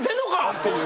っていう。